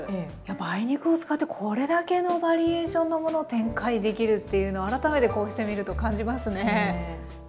梅肉を使ってこれだけのバリエーションのものを展開できるっていうの改めてこうしてみると感じますね。